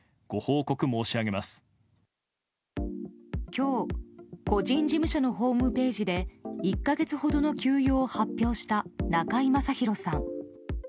今日個人事務所のホームページで１か月ほどの休養を発表した中居正広さん。